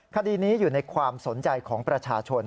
คดีนี้อยู่ในความสนใจของประชาชน